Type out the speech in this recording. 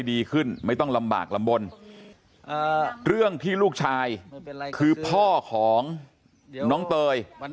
ดีขึ้นไม่ต้องลำบากลำบลเรื่องที่ลูกชายคือพ่อของน้องเตย